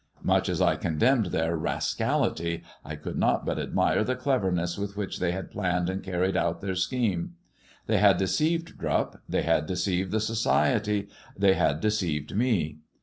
Much as I condemned their rascality, I could not but admire the cleverness with which they had planned and carried out their scheme. They had deceived Drupp, they had deceived the society, they had deceived me.